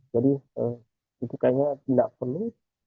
jadi ee itu kayaknya tidak penuh